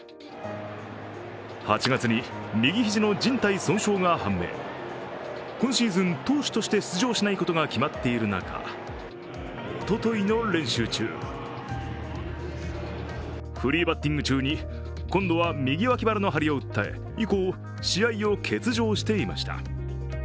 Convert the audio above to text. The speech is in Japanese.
８月に右肘のじん帯損傷が判明、今シーズン、投手として出場しないことが決まっている中、おとといの練習中フリーバッティング中に今度は右脇腹の張りを訴え、以降、試合を欠場していました。